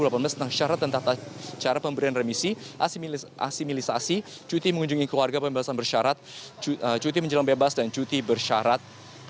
tentang syarat dan tata cara pemberian remisi asimilisasi cuti mengunjungi keluarga pembebasan bersyarat cuti menjelang bebas dan cuti bersyarat